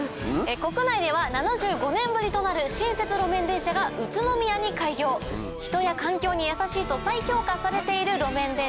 国内では７５年ぶりとなる新設路面電車が宇都宮に開業人や環境に優しいと再評価されている路面電車